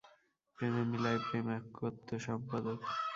প্রেমে মিলায়, প্রেম একত্বসম্পাদক।